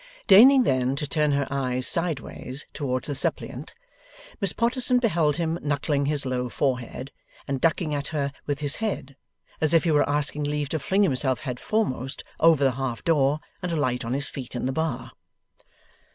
Deigning then to turn her eyes sideways towards the suppliant, Miss Potterson beheld him knuckling his low forehead, and ducking at her with his head, as if he were asking leave to fling himself head foremost over the half door and alight on his feet in the bar.